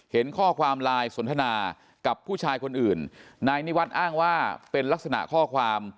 เห็นข้อความไลน์สนทนากับผู้ชายคนอื่นนายนิวัฒน์อ้างว่าเป็นลักษณะข้อความ